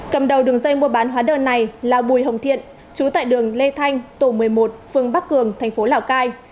cầm đầu đường dây mua bán hóa đơn này là bùi hồng thiện chú tại đường lê thanh tổ một mươi một phương bắc cường thành phố lào cai